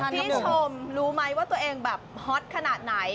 พี่ชมรู้ไหมว่าตัวเองแบบฮอตขนาดไหน